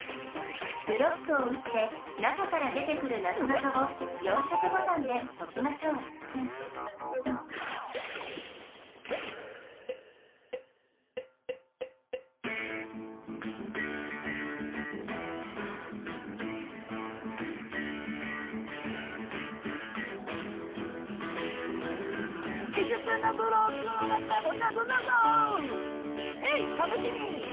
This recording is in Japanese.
ブロックをうって中から出てくるなぞなぞを４色ボタンでときましょうおわり。